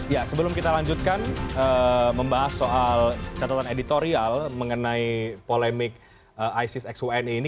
ya sebelum kita lanjutkan membahas soal catatan editorial mengenai polemik isis x uni ini